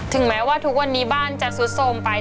ถึงแม้ว่าทุกวันนี้บ้านจะสุดสมไป